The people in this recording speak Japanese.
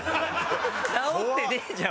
直ってねえじゃん